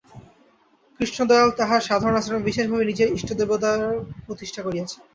কৃষ্ণদয়াল তাঁহার সাধনাশ্রমে বিশেষভাবে নিজের ইষ্টদেবতার প্রতিষ্ঠা করিয়াছেন।